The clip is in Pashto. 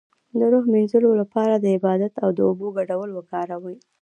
د روح د مینځلو لپاره د عبادت او اوبو ګډول وکاروئ